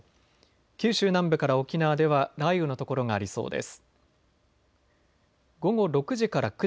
九州南部から沖縄では雷雨の所がありそうです。